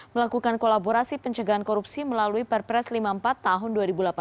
melakukan kolaborasi pencegahan korupsi melalui perpres lima puluh empat tahun dua ribu delapan belas